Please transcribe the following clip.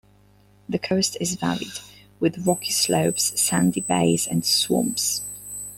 The coast is varied, with rocky slopes, sandy bays and swamps.